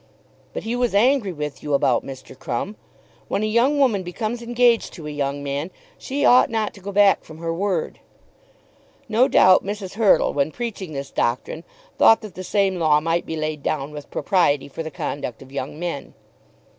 "But he was angry with you about Mr. Crumb. When a young woman becomes engaged to a young man, she ought not to go back from her word." No doubt Mrs. Hurtle, when preaching this doctrine, thought that the same law might be laid down with propriety for the conduct of young men.